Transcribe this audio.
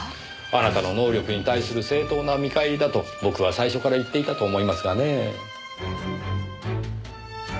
あなたの能力に対する正当な見返りだと僕は最初から言っていたと思いますがねえ。